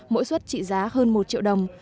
mỗi xuất trị giá hơn một triệu đồng